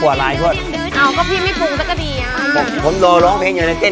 ว่านแหลงลงกันก็ดับใจนั้ง